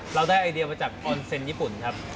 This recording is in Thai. เราได้ไอเดียมาจากออนเซ็นต์ญี่ปุ่นครับ